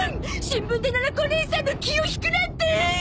新聞でななこおねいさんの気を引くなんて！